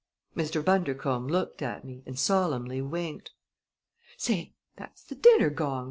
Mr. Bundercombe looked at me and solemnly winked! "Say, that's the dinner gong!"